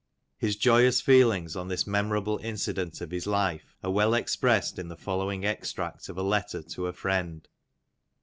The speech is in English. His joyous feelings on this memorable incident of his life are well expressed in the following extract of a letter to a friend.